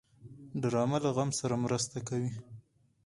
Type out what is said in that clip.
ډرامه له غم سره مرسته کوي